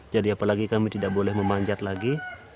apalagi kami tidak boleh memanjat lagi